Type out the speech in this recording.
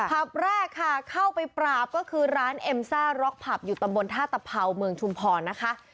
ผับแรกค่ะเข้าไปปราบก็คือร้านเอ็มซ่าล็อกผับอยู่ตำบลท่าตะเผาเมืองชุมพรนะคะ